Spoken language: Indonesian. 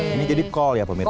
ini jadi kol ya pemirsa ya